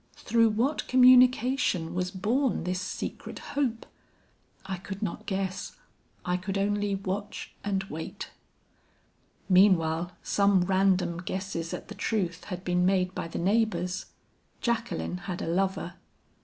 Through what communication was born this secret hope? I could not guess, I could only watch and wait. "Meanwhile some random guesses at the truth had been made by the neighbors. Jacqueline had a lover.